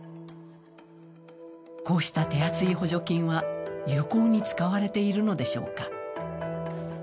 こうした手厚い補助金は有効に使われているのでしょうか。